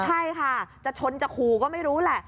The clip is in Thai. ใช่ค่ะจะชนจะขู่ก็ไม่รู้แหละ